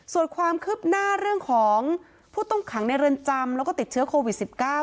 ส่วนความคืบหน้าเรื่องของผู้ต้องขังในเรือนจำแล้วก็ติดเชื้อโควิด๑๙